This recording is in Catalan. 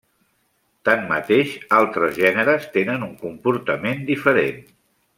Tanmateix, altres gèneres tenen un comportament diferent.